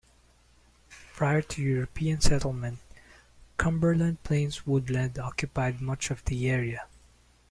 Prior to European settlement, Cumberland Plains Woodland occupied much of the area.